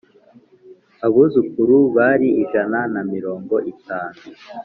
Abuzukuru bari ijana na mirongo itanu .